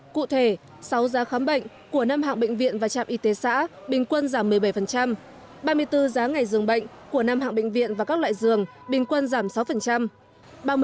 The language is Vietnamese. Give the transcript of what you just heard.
cụ thể sáu giá khám bệnh của năm hạng bệnh viện và trạm y tế xã bình quân giảm một mươi bảy ba mươi bốn giá ngày dường bệnh của năm hạng bệnh viện và các loại dường bình quân giảm sáu